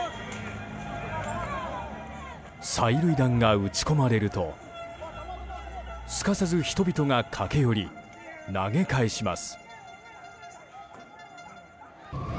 催涙弾が撃ち込まれるとすかさず人々が駆け寄り投げ返します。